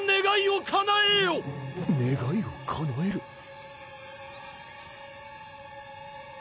願いをかなえる？